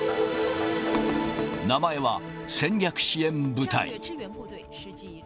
名前は戦略支援部隊。